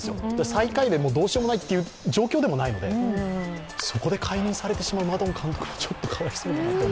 最下位でどうしようもないという状況でもないのでそこで解任されてしまうマドン監督もちょっとかわいそうだなと。